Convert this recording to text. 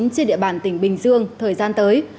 trên địa bàn tỉnh bình dương thời gian tới